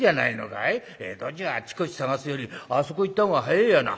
江戸中あっちこち探すよりあそこ行った方が早えやな」。